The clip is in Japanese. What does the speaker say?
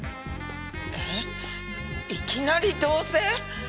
えっいきなり同棲？